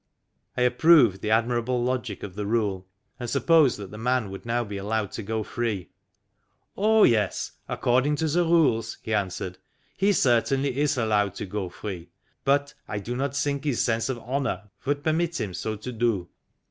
I approved the admirable logic of the rule, and sup posed that the man would now be allowed to go free. " Oh, yes, according to the rules," he answered, " he certainly is allowed to go free; but I do not think his sense of honour would permit him so to do."